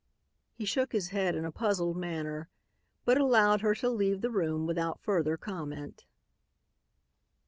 He shook his head in a puzzled manner, but allowed her to leave the room without further comment.